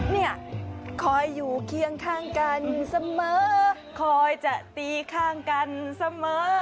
เนี่ยคอยอยู่เคียงข้างกันเสมอคอยจะตีข้างกันเสมอ